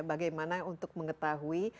bagaimana untuk mengetahui